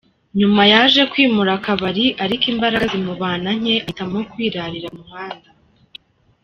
Nyuma yaje kwimura akabari ariko imbaraga zimubana nke ahitamo kwirarira ku muhanda.